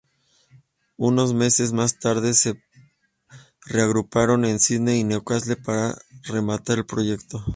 Unos meses más tarde se reagruparon en Sídney y Newcastle para rematar el proyecto.